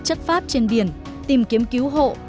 chất pháp trên biển tìm kiếm cứu hộ